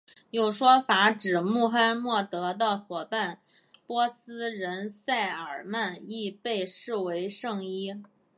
有说法指穆罕默德的伙伴波斯人塞尔曼亦被视为圣裔。